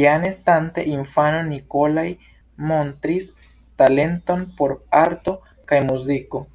Jam estante infano Nikolai montris talenton por arto kaj muziko.